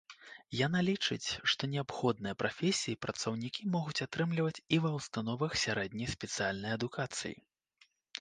Яна лічыць, што неабходныя прафесіі працаўнікі могуць атрымліваць і ва ўстановах сярэдняй спецыяльнай адукацыі.